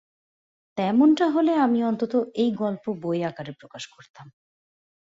তেমনটা হলে আমি অন্তত এই গল্প বই আকারে প্রকাশ করতাম।